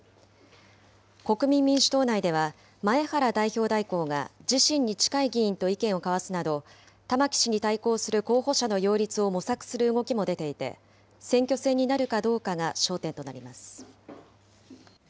国民民主党内では、前原代表代行が自身に近い議員と意見を交わすなど、玉木氏に対抗する候補者の擁立を模索する動きも出ていて、選挙戦になるかどうかが焦点となります。